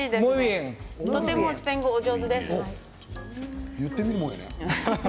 とてもスペイン語お上手です。